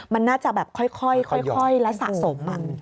มันน่าจะแบบค่อยและสะสม